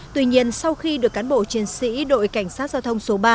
tuy nhiên sau khi được cán bộ chiến sĩ đội cảnh sát giao thông số ba